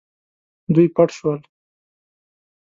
دوی پټ شول.